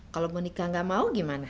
kalo mau nikah gak mau gimana